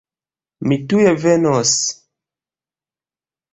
Mi tuj venos.